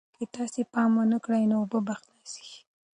که تاسې پام ونه کړئ نو اوبه به خلاصې شي.